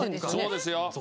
そうですよ。